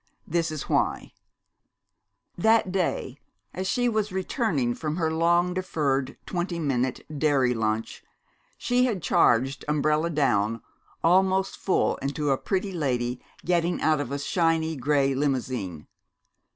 This is why: That day as she was returning from her long deferred twenty minute dairy lunch, she had charged, umbrella down, almost full into a pretty lady getting out of a shiny gray limousine.